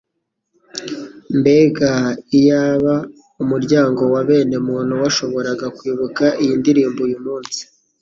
Mbega! Iyaba umuryango wa bene muntu washoboraga kwibuka iyi ndirimbo uyu munsi!